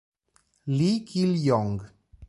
Lee Kil-yong